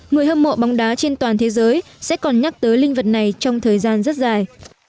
người hâm mộ bóng đá trên toàn thế giới sẽ còn nhắc tới linh vật này trong thời gian rất dài